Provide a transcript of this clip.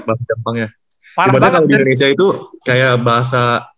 cuman kalo di indonesia itu kayak bahasa